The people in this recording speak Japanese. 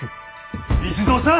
一蔵さあ！